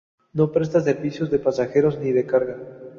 No presta servicios de pasajeros ni de carga.